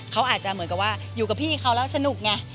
เขาอาจจะเหมือนกับว่าอยู่กับพี่เขาแล้วสนุกไง